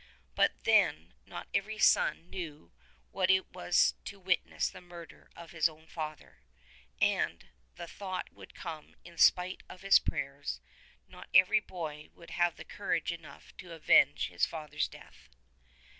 But then not every son knew what it was to witness the murder of his own father. And — the thought would come in spite of his prayers — not every boy would have had courage enough to avenge his father's death.